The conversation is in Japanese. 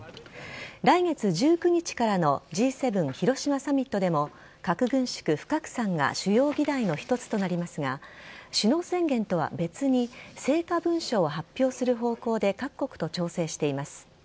来月１９日からのＧ７広島サミットでも核軍縮・不拡散が主要議題の一つとなりますが首脳宣言とは別に成果文書を発表する方向で各国と調整しています。